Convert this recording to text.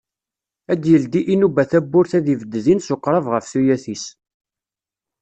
Ad d-yeldi inuba tawwurt ad ibed din s uqrab ɣef tuyat-is.